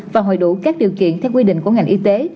và hội đủ các điều kiện theo quy định của ngành y tế